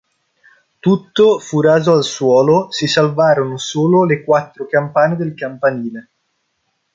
Tutto fu raso al suolo, si salvarono solo le quattro campane del campanile.